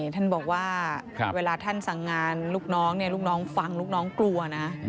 ท่านบอกว่าเวลาท่านสั่งงานลูกน้องลูกน้องฟังลูกน้องกลัวนะ